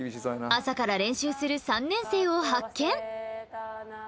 朝から練習する３年生を発見。